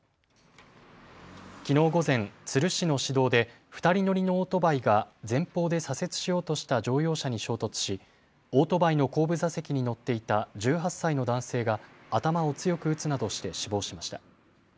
きのう午前、都留市の市道で２人乗りのオートバイが前方で左折しようとした乗用車に衝突しオートバイの後部座席に乗っていた１８歳の男性が頭を強く打つなどして死亡しました。